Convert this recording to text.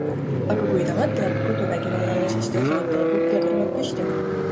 Aga kui ta mõtleb koduvägivallale, siis tõusevad tal kuklakarvad püsti.